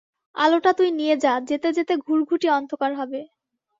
আলোটা তুই নিয়ে যা, যেতে যেতে ঘুরঘুটি অন্ধকার হবে।